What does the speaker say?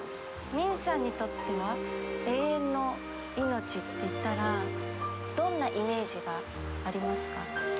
泯さんにとっては「永遠のいのち」って言ったらどんなイメージがありますか？